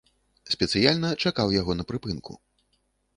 Спецыяльна чакаў яго на прыпынку.